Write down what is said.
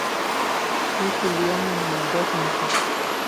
في كل يوم مودات مطلقة